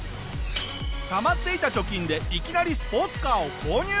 たまっていた貯金でいきなりスポーツカーを購入。